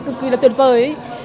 cực kỳ là tuyệt vời